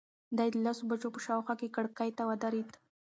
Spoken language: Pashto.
دی د لسو بجو په شاوخوا کې کړکۍ ته ودرېد.